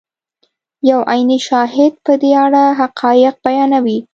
یو عیني شاهد په دې اړه حقایق بیانوي.